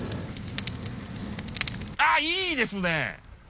あっいいですね！